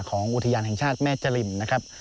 อุทยานแห่งชาติแม่จริมนะครับ